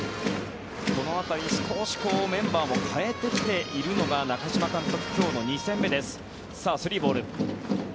この辺り、少しメンバーも代えてきているのが中嶋監督、今日の２戦目です。